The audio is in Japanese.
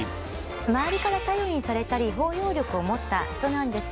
周りから頼りにされたり包容力を持った人なんですが。